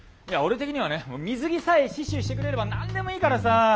いや俺的にはね水着さえ死守してくれれば何でもいいからさ。